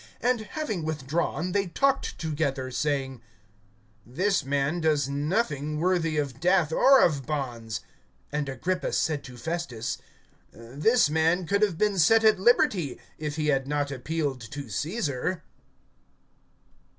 (31)And having withdrawn, they talked together, saying: This man does nothing worthy of death or of bonds. (32)And Agrippa said to Festus: This man could have been set at liberty, if he had not appealed to Caesar.